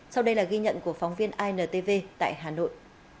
sau đây là ghi nhận của phóng viên intv tại hà nội